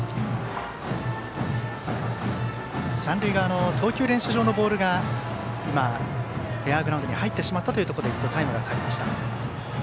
三塁側の投球練習場のボールが今、フェアグラウンドに入ってしまったというところで一度、タイムがかかりました。